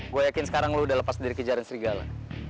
gue yakin sekarang lo udah lepas dari kejaran serigala